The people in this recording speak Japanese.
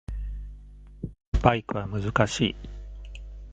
バイクは難しい